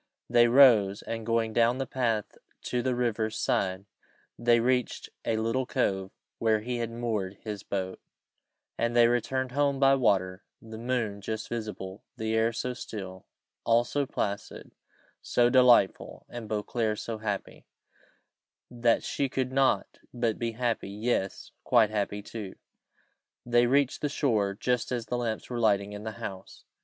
They rose, and going on down the path to the river's side, they reached a little cove where he had moored his boat, and they returned home by water the moon just visible, the air so still; all so placid, so delightful, and Beauclerc so happy, that she could not but be happy; yes quite happy too. They reached the shore just as the lamps were lighting in the house.